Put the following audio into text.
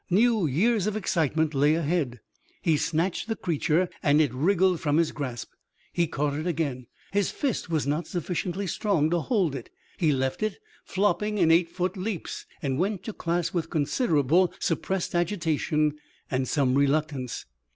New years of excitement lay ahead. He snatched the creature and it wriggled from his grasp. He caught it again. His fist was not sufficiently strong to hold it. He left it, flopping in eight foot leaps, and went to class with considerable suppressed agitation and some reluctance.